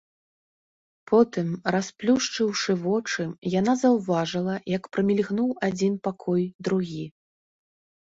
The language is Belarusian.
Потым, расплюшчыўшы вочы, яна заўважыла, як прамільгнуў адзін пакой, другі.